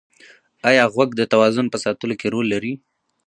ایا غوږ د توازن په ساتلو کې رول لري؟